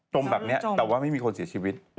มแบบนี้แต่ว่าไม่มีคนเสียชีวิต